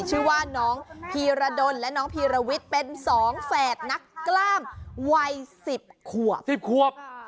ชื่อว่าน้องพีรดนและน้องพีรวิทเป็นสองแฝดนักกล้ามวัยสิบขวบ